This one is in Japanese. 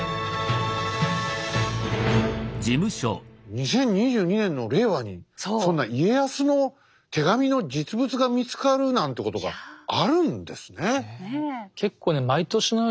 ２０２２年の令和にそんな家康の手紙の実物が見つかるなんてことがあるんですね。